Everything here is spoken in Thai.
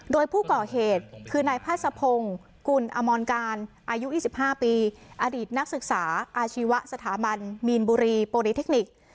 โดยผู้ก่อเหตุคือนายพาสะพงศ์กุลอมรการอายุ๒๕ปีอดีตนักศึกษาอาชีวะสถาบันมีนบุรีโปรดิเทคนิค